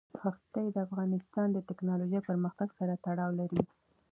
ښتې د افغانستان د تکنالوژۍ پرمختګ سره تړاو لري.